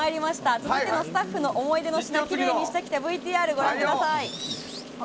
続いてのスタッフの思い出の品をきれいにしてきたＶＴＲご覧ください。